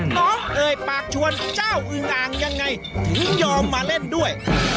เอ่ยปากชวนเจ้าอึงอ่างยังไงถึงยอมมาเล่นด้วย